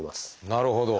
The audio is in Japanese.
なるほど。